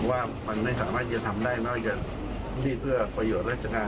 ผมว่ามันไม่สามารถจะทำได้ไม่ว่าจะดีเพื่อประโยชน์รัฐการณ์